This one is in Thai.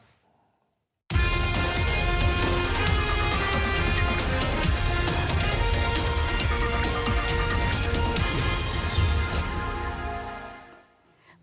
โปรดติดตามตอนต่อไป